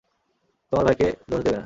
তোমার ভাইকে দোষ দেবে না?